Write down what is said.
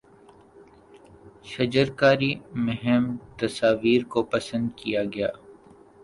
شجرکاری مہم تصاویر کو پسند کیا گیا